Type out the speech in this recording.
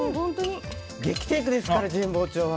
激戦地ですから、神保町は。